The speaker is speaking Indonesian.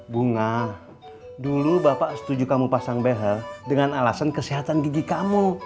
bunga dulu bapak setuju kamu pasang behel dengan alasan kesehatan gigi kamu